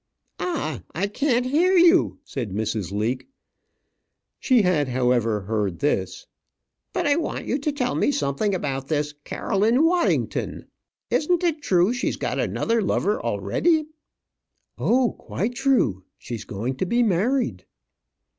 "Ah, I can't hear you," said Mrs. Leake. She had, however, heard this. "But I want you to tell me something about this Caroline Waddington. Isn't it true she's got another lover already?" "Oh, quite true; she's going to be married."